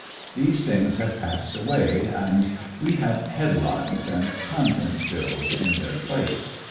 These things have passed away and we have "headlines" and contents bills in their place.